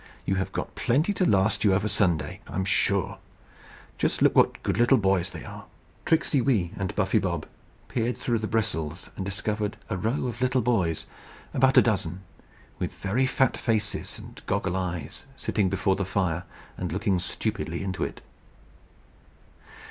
You have got plenty to last you over Sunday, I am sure. Just look what good little boys they are!" Tricksey Wee and Buffy Bob peered through the bristles, and discovered a row of little boys, about a dozen, with very fat faces and goggle eyes, sitting before the fire, and looking stupidly into it.